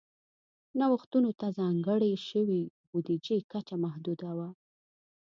نوښتونو ته ځانګړې شوې بودیجې کچه محدوده وه.